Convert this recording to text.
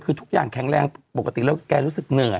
คือทุกอย่างแข็งแรงปกติแล้วแกรู้สึกเหนื่อย